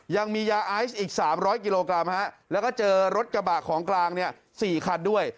ยังมียาไอซ์อีก๓๐๐กิโลกรัมแล้วก็เจอรถกระบะของกลาง๔คันด้วย